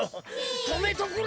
とめとくれ！